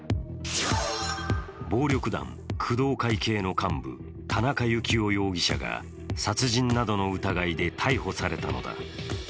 暴力団、工藤会系の幹部田中幸雄容疑者が殺人などの疑いで逮捕されたのだ。